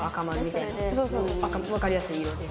わかりやすい色で。